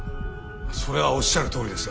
それはおっしゃるとおりですが。